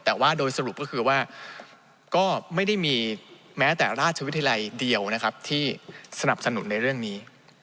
แต่ว่าโดยสรุปก็คือว่าก็ไม่ได้มีแม้แต่ราชวิทยาลัยเดียวนะครับที่สนับสนุนในเรื่องนี้